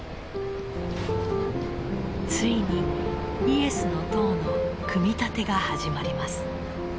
ついにイエスの塔の組み立てが始まります。